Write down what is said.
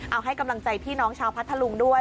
เอาให้กำลังใจพี่น้องชาวพัทธลุงด้วย